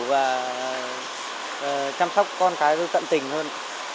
và chăm sóc con cái tôi tận tình hơn